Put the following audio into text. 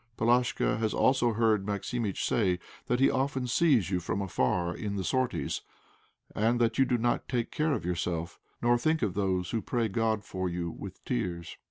Palashka has also heard Maximitch say that he often sees you from afar in the sorties, and that you do not take care of yourself, nor think of those who pray God for you with tears.